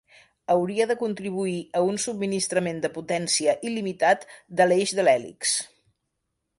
Hauria de contribuir a un subministrament de potència il·limitat de l'eix de l'hèlix.